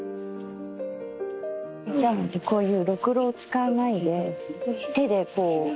お茶碗ってこういうろくろを使わないで手でこう。